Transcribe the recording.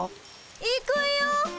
いくよ。